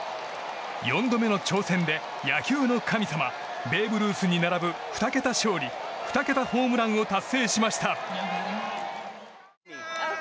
４度目の挑戦で野球の神様ベーブ・ルースに並ぶ２桁勝利２桁ホームランを達成しました。